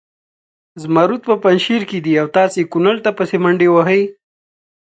زمرود په پنجشیر کې دي او تاسې کنړ ته پسې منډې وهئ.